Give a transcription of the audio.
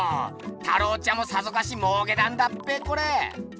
太郎ちゃんもさぞかしもうけたんだっぺコレ。